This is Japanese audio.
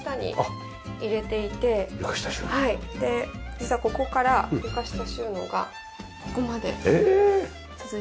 実はここから床下収納がここまで続いているので。